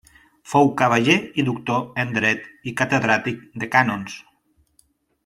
Fou cavaller i doctor en dret i catedràtic de Cànons.